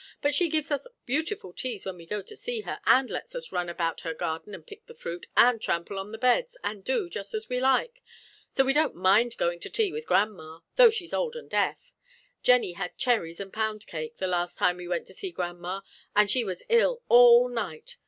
But she gives us beautiful teas when we go to see her, and lets us run about her garden and pick the fruit, and trample on the beds, and do just as we like; so we don't mind going to tea with grandma, though she's old and deaf. Jennie had cherries and pound cake the last time we went to see grandma, and she was ill all night.